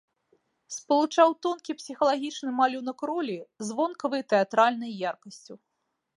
Спалучаў тонкі псіхалагічны малюнак ролі з вонкавай тэатральнай яркасцю.